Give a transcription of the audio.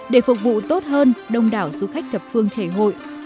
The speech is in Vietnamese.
để phục vụ tốt hơn đông đảo du khách thập phương chảy hội